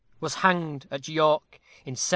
was hanged at York in 1739.